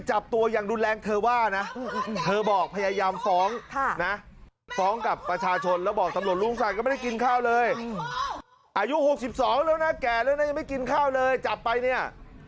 อายุ๖๒แล้วนะแก่แล้วนะยังไม่กินข้าวเลยจับไปเนี่ย